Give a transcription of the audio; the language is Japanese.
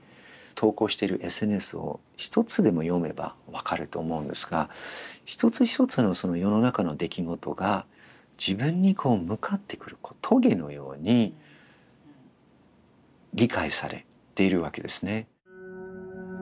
投稿してるＳＮＳを１つでも読めば分かると思うんですが一つ一つのその世の中の出来事が自分にこう向かってくる棘のように理解されているわけですね。